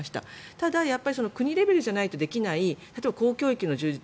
ただ国レベルじゃないとできない例えば、公教育の充実